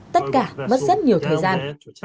tất cả mất rất nhiều thời gian